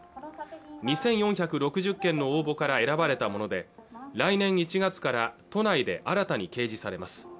２４６０件の応募から選ばれたもので来年１月から都内で新たに掲示されます